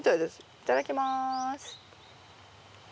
いただきます。